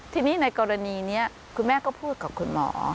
ทีนี้ในกรณีนี้คุณแม่ก็พูดกับคุณหมอ